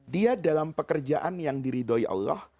dia dalam pekerjaan yang diridhoi allah